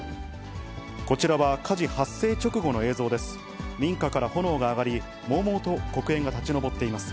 こちらは火事発生直後の映像です。